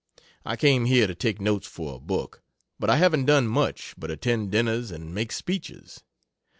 I came here to take notes for a book, but I haven't done much but attend dinners and make speeches.